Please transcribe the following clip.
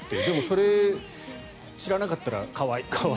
でも、それを知らなかったら可愛い。